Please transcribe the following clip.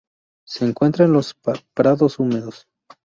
Se encuentra en los prados húmedos.